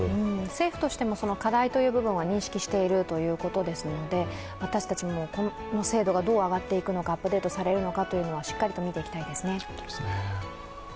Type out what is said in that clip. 政府としても課題の部分は認識しているということですので私たちもこの精度がどう上がっていのか、アップデートされるのかはしっかりと見ていきたいですね。